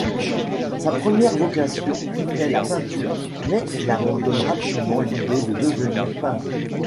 Sa première vocation est la peinture, mais il abandonne rapidement l’idée de devenir peintre.